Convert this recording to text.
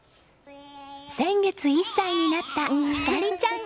先月１歳になったひかりちゃん。